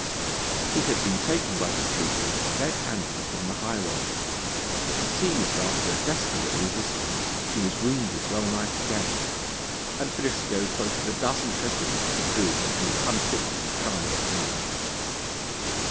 He had been taken by the troopers red handed upon the highway. Seized after a desperate resistance, he was wounded wellnigh to death, and Briscoe quoted a dozen precedents to prove that he was unfit to be tried or hanged.